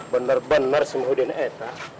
bener bener semua udah ngetah